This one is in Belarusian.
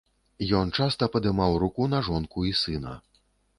Ён часта падымаў руку на жонку і сына.